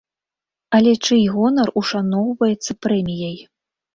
Але чый гонар ушаноўваецца прэміяй?